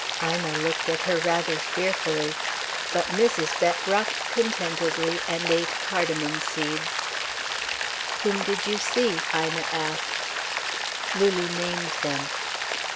Ina looked at her rather fearfully. But Mrs. Bett rocked contentedly and ate cardamom seeds. "Whom did you see?" Ina asked. Lulu named them.